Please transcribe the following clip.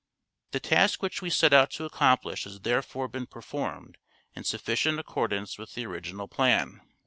The task which we set out to accomplish has there fore been performed in sufficient accordance with the original plan.